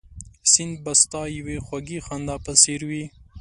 سیند به ستا یوې خوږې خندا په څېر وي